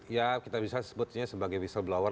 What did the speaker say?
ya kita bisa sebutnya sebagai whistleblower